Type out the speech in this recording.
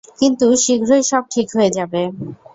কিন্তু শীঘ্রই সব ঠিক হয়ে যাবে।